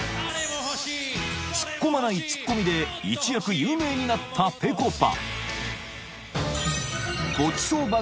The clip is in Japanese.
［ツッコまないツッコミで一躍有名になったぺこぱ］